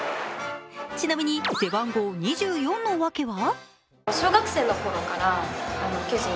ちなみに背番号２４の訳は？